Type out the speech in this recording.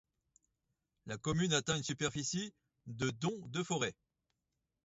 La commune atteint une superficie de dont de forêts.